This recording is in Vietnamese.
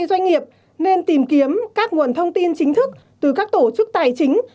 doanh nghiệp nên tìm kiếm các nguồn thông tin chính thức từ các tổ chức tài chính